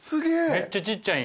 めっちゃちっちゃいんや。